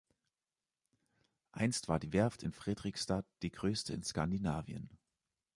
Einst war die Werft in Fredrikstad die größte in Skandinavien.